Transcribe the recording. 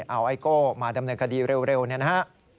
เอาไอโก้มาดำเนินคดีเร็วเนี่ยนะฮะ